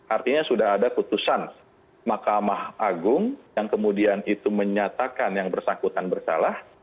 artinya sudah ada putusan mahkamah agung yang kemudian itu menyatakan yang bersangkutan bersalah